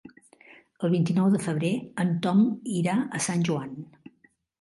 El vint-i-nou de febrer en Tom irà a Sant Joan.